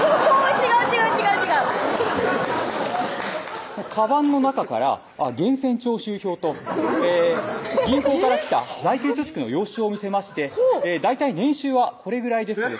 違う違う違う違うかばんの中から源泉徴収票と銀行から来た財形貯蓄の用紙を見せまして「大体年収はこれぐらいです」